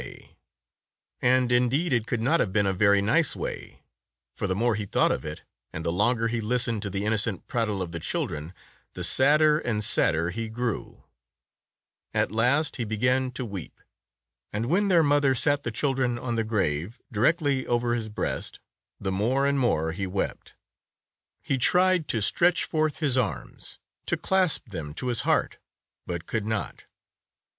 98 Tales of Modern Germany And indeed, it could not have been a very nice way, for the more he thought of it, and the longer he listened to the innocent prattle of the children, the sadder and sadder he grew. At last he began to weep. And when their mother sat the children on the grave, directly over his breast, the more and more he wept. He tried to stretch forth his arms, to clasp them to his heart, but could not.